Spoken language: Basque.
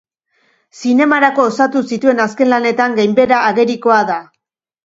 Zinemarako osatu zituen azken lanetan gainbehera agerikoa da.